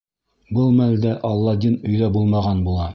Был мәлдә Аладдин өйҙә булмаған була.